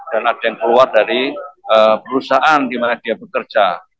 dan ada yang keluar dari perusahaan di mana dia bekerja